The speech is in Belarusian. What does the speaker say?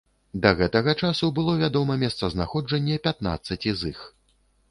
Да гэтага часу было вядома месцазнаходжанне пятнаццаці з іх.